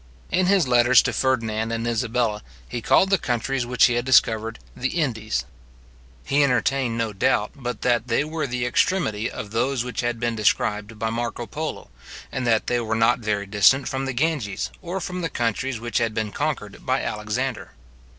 In his letters to Ferdinand and Isabella, he called the countries which he had discovered the Indies. He entertained no doubt but that they were the extremity of those which had been described by Marco Polo, and that they were not very distant from the Ganges, or from the countries which had been conquered by Alexander.